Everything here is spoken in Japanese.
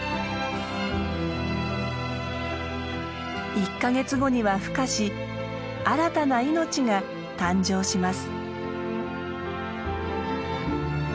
１か月後にはふ化し新たな命が誕生します。